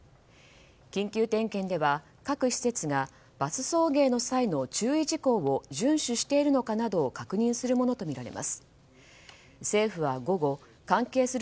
緊急点検では各施設がバス送迎の際の注意事項を順守しているのかなどを確認するものとみられます。